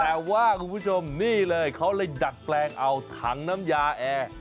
แต่ว่าคุณผู้ชมนี่เลยเขาเลยดัดแปลงเอาถังน้ำยาแอร์